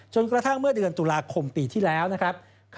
กระทั่งเมื่อเดือนตุลาคมปีที่แล้วนะครับ